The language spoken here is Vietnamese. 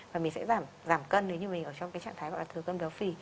và mình sẽ giảm giảm cân nếu như mình ở trong cái trạng thái gọi là thừa cân béo phì